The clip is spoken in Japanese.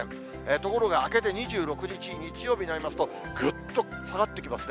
ところが明けて２６日日曜日になりますと、ぐっと下がってきますね。